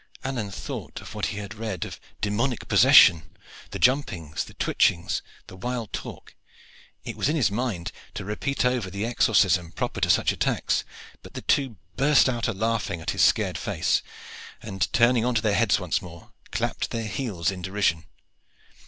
Alleyne thought of what he had read of demoniac possession the jumpings, the twitchings, the wild talk. It was in his mind to repeat over the exorcism proper to such attacks; but the two burst out a laughing at his scared face, and turning on to their heads once more, clapped their heels in derision.